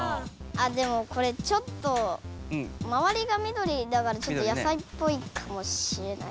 あでもこれちょっとまわりがみどりだからちょっとやさいっぽいかもしれない。